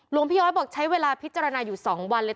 หลวงพี่ย้อยบอกใช้เวลาพิจารณาอยู่๒วันเลย